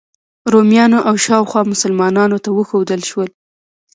رومیانو او شاوخوا مسلمانانو ته وښودل شول.